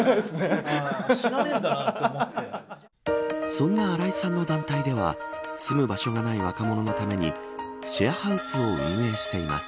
そんな荒井さんの団体では住む場所がない若者のためにシェアハウスを運営しています。